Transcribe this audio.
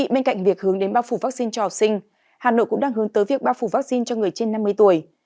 bên cạnh việc hướng đến bao phủ vaccine cho học sinh hà nội cũng đang hướng tới việc bao phủ vaccine cho người trên năm mươi tuổi